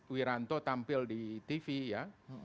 wira anto tampil di tv ya